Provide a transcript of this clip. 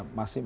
iya masih ada